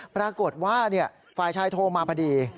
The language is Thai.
ปรากฏว่าฝ่ายชายโทรมาพอดี